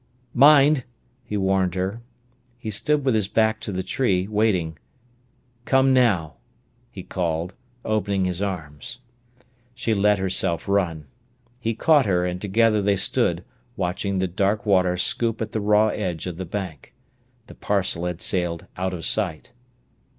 "Mind!" he warned her. He stood with his back to the tree, waiting. "Come now," he called, opening his arms. She let herself run. He caught her, and together they stood watching the dark water scoop at the raw edge of the bank. The parcel had sailed out of sight.